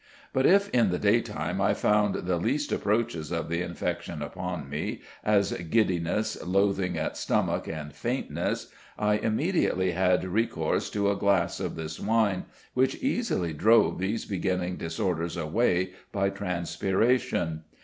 But if in the daytime I found the least approaches of the infection upon me, as giddiness, loathing at stomach, and faintness, I immediately had recourse to a glass of this wine, which easily drove these beginning disorders away by transpiration.